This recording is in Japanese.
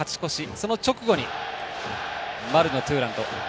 その直後に丸のツーランと。